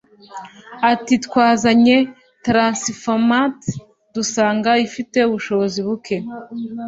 Ati"Twazanye ’transformateu’ dusanga ifite ubushobozi buke